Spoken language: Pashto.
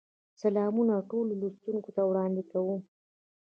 سلامونه ټولو لوستونکو ته وړاندې کوم.